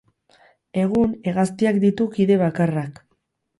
Egun, hegaztiak ditu kide bakarrak.